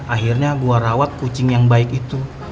akhirnya gue rawat kucing yang baik itu